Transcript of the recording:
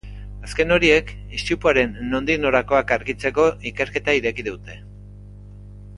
Azken horiek istripuaren nondik norakoak argitzeko ikerketa ireki dute.